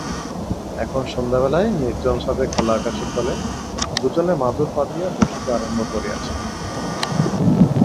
এখন সন্ধ্যাবেলায় নির্জন ছাদে খোলা আকাশের তলে দুজনে মাদুর পাতিয়া বসিতে আরম্ভ করিয়াছে।